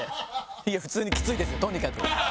いや普通にきついですとにかく。